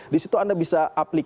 di situ anda bisa